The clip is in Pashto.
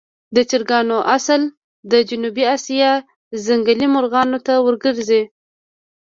د چرګانو اصل د جنوبي آسیا ځنګلي مرغانو ته ورګرځي.